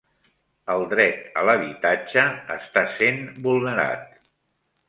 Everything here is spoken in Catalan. El dret a l'habitatge està sent vulnerat